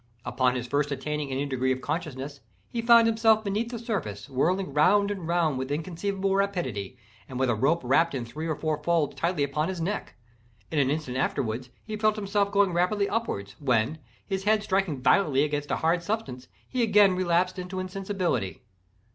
Upon his first attaining any degree of consciousness, he found himself beneath the surface, whirling round and round with inconceivable rapidity, and with a rope wrapped in three or four folds tightly about his neck. In an instant afterward he felt himself going rapidly upward, when, his head striking violently against a hard substance, he again relapsed into insensibility.